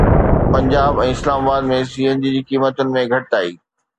Punjab ۽ Islamabad ۾ C N G جي قيمتن ۾ گهٽتائي